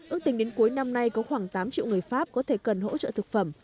ước tình đến cuối năm nay có khoảng tám triệu người pháp có thể cần hỗ trợ thực phẩm